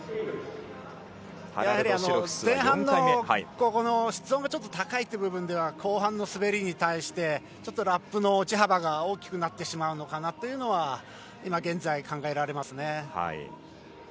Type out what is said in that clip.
前半、室温がちょっと高い部分では後半の滑りに対してちょっとラップの落ち幅が大きくなってしまうのかなというのが今現在、考えられますね。